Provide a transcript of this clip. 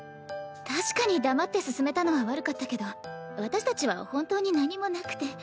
確かに黙って進めたのは悪かったけど私たちは本当に何もなくて。